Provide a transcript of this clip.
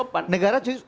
bukan cara saya